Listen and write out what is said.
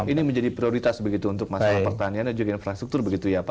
ini menjadi prioritas begitu untuk masalah pertanian dan juga infrastruktur begitu ya pak